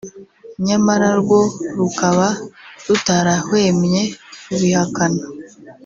nyamara rwo rukaba rutarahwemye kubihakana